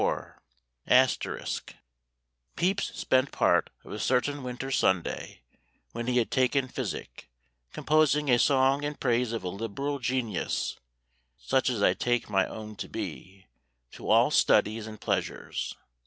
*] "Pepys spent part of a certain winter Sunday, when he had taken physic, composing 'a song in praise of a liberal genius (such as I take my own to be) to all studies and pleasures.